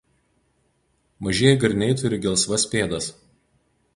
Mažieji garniai turi gelsvas pėdas.